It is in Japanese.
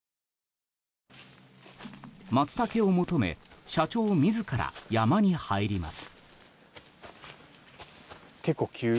マツタケを求め社長自ら山に入ります。